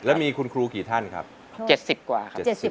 แล้วมีคุณครูกี่ท่านครับ๗๐กว่าครับ